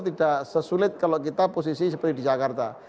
tidak sesulit kalau kita posisi seperti di jakarta